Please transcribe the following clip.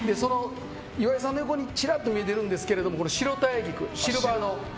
岩井さんの横にちらっと見えてるんですけどシルバーの。